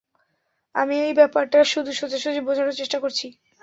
আমি এই ব্যাপারটা শুধু সোজাসুজি বোঝানোর চেষ্টা করছি।